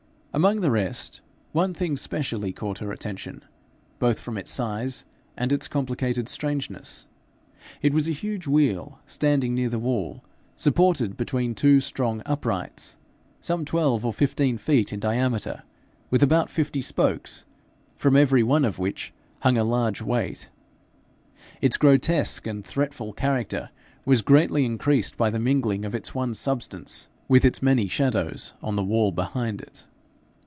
Among the rest, one thing specially caught her attention, both from its size and its complicated strangeness. It was a huge wheel standing near the wall, supported between two strong uprights some twelve or fifteen feet in diameter, with about fifty spokes, from every one of which hung a large weight. Its grotesque and threatful character was greatly increased by the mingling of its one substance with its many shadows on the wall behind it.